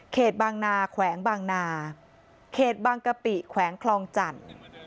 บางนาแขวงบางนาเขตบางกะปิแขวงคลองจันทร์